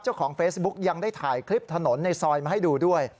เจ้าของเฟซบุ๊กยังได้ถ่ายคลิปถนนในซอยมาให้ดูด้วย